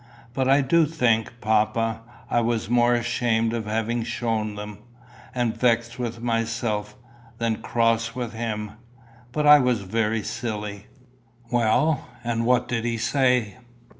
But I do think, papa, I was more ashamed of having shown them, and vexed with myself, than cross with him. But I was very silly." "Well, and what did he say?"